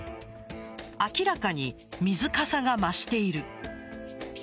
明らかに水かさが増している。